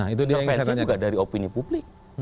intervensi juga dari opini publik